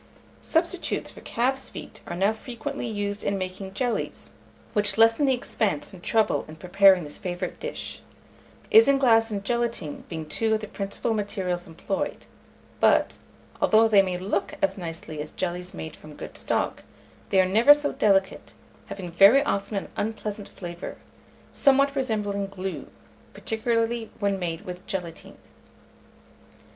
Substitutes for calf's feet are now frequently used in making jellies, which lessen the expense and trouble in preparing this favourite dish; isinglass and gelatine being two of the principal materials employed; but, although they may look as nicely as jellies made from good stock, they are never so delicate, having very often an unpleasant flavour, somewhat resembling glue, particularly when made with gelatine.